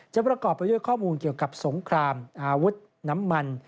ประกอบไปด้วยข้อมูลเกี่ยวกับสงครามอาวุธน้ำมัน